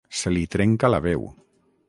Se li trenca la veu.